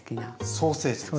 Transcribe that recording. ソーセージ。